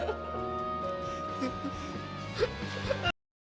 kamu sudah ingat